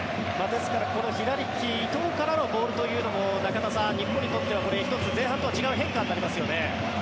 ですから、この左利き伊藤からのボールというのも中田さん、日本にとっては１つ前半とは違う変化になりますよね。